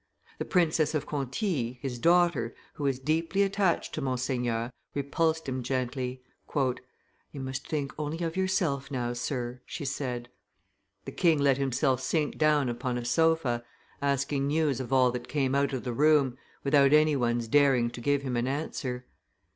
The Princess of Conti, his daughter, who was deeply attached to Monseigneur, repulsed him gently: "You must think only of yourself now, Sir," she said. The king let himself sink down upon a sofa, asking news of all that came out of the room, without any one's daring to give him an answer.